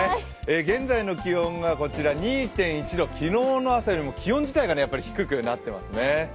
現在の気温が２．１度、昨日の朝よりも気温自体が低くなっていますね。